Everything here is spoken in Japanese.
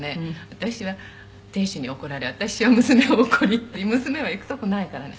私は亭主に怒られ私は娘を怒りって娘はいくとこないからね